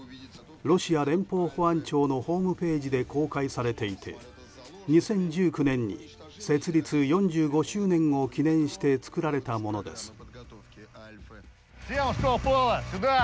ロシア連邦保安庁のホームページで公開されていて２０１９年に設立４５周年を記念して作られたものです。